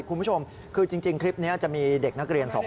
คุณผู้ชมคือจริงคลิปนี้จะมีเด็กนักเรียนสองคน